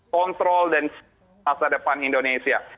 kontrol dan masa depan indonesia